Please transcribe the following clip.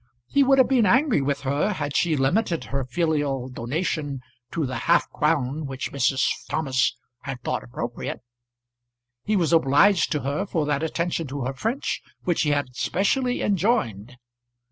He would have been angry with her had she limited her filial donation to the half crown which Mrs. Thomas had thought appropriate. He was obliged to her for that attention to her French which he had specially enjoined.